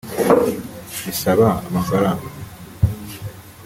bisaba amafaranga